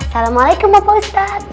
assalamualaikum pak ustad